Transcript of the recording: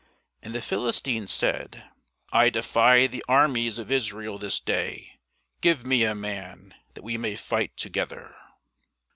And the Philistine said, I defy the armies of Israel this day; give me a man, that we may fight together.